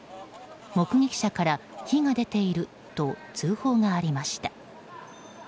目撃者から火が出ていると通報がありました。